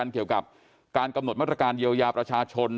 เกี่ยวกับการกำหนดมาตรการเยียวยาประชาชน